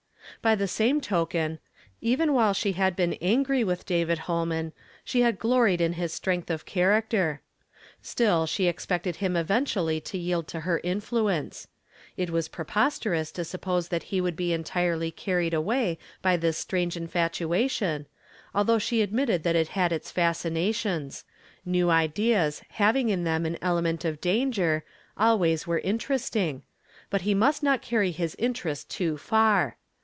By the same token, even while she had been angry with David Ilolman, she had gloried in his strength of character. Still, she had expected him eventually to yield to her influence. It was pre posterous to suppose that he would be entirely carried away by this strange infatuation, although she admitted that it had its fascinations — new ideas having in them an element of danger always were interesting, but he must not cany his interest too far.